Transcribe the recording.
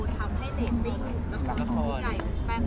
แม็กซ์ก็คือหนักที่สุดในชีวิตเลยจริง